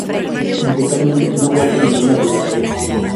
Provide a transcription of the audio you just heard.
Musicalmente no guardan ninguna relación.